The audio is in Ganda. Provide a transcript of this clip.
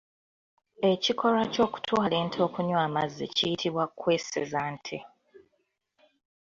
Ekikolwa ky’okutwala ente okunywa amazzi kiyitibwa kweseza nte.